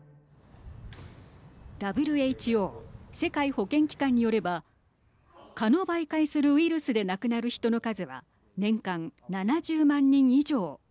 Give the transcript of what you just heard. ＷＨＯ＝世界保健機関によれば蚊の媒介するウイルスで亡くなる人の数は年間７０万人以上。